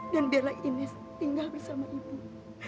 dan biarlah ines tinggal bersama ibu